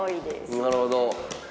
なるほど。